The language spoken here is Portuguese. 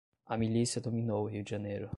A milícia dominou o Rio de Janeiro